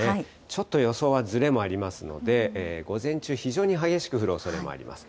ちょっと予想はずれもありますので、午前中、非常に激しく降るおそれもあります。